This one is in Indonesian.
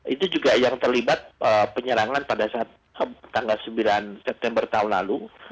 itu juga yang terlibat penyerangan pada saat tanggal sembilan september tahun lalu